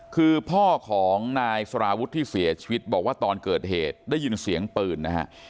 คือพ่อของนายสารวุฒิที่เสียชีวิตบอกว่าตอนเกิดเหตุได้ยินเสียงปืนนะฮะ